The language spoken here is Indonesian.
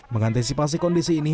mengantisipasi kondisi ini